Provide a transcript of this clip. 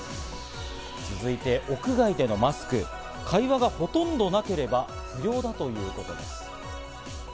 続いて屋外でのマスク、会話がほとんどなければ不要だということです。